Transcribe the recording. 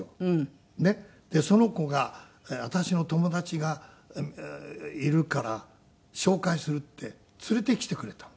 その子が私の友達がいるから紹介するって連れてきてくれたの。